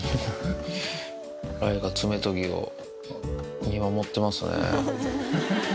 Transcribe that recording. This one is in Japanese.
雷が爪研ぎを見守ってますね。